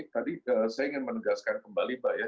tadi saya ingin menegaskan kembali mbak ya